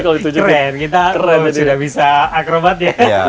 keren kita sudah bisa akrobat ya